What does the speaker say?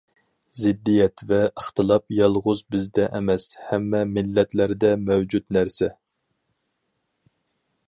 زىددىيەت ۋە ئىختىلاپ يالغۇز بىزدە ئەمەس، ھەممە مىللەتلەردە مەۋجۇت نەرسە.